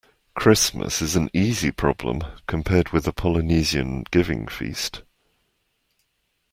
Christmas is an easy problem compared with a Polynesian giving-feast.